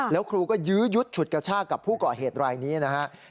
แล้วครูก็ยื้อยุดฉุดกระชากกับผู้ก่อเหตุรายนี้นะครับ